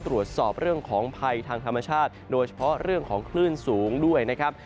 ตรวจสอบเรื่องของภัยทางธรรมชาติโดยเฉพาะเรื่องของคลื่นสูงด้วยนะครับ